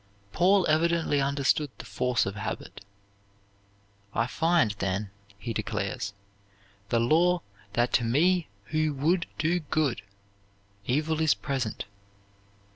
Paul evidently understood the force of habit. "I find, then," he declares, "the law, that to me who would do good, evil is present.